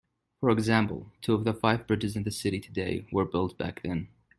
For example, two of the five bridges in the city today were built back then.